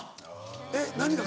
えっ何が？